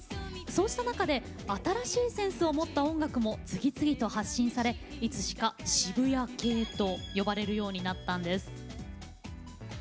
そうした中で新しいセンスを持った音楽も次々と発信されいつしか渋谷系と呼ばれるようになったんです。